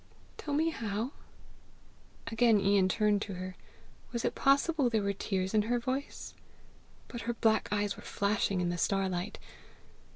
Tell me how." Again Ian turned to her: was it possible there were tears in her voice? But her black eyes were flashing in the starlight!